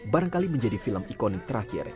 barangkali menjadi film ikonik terakhir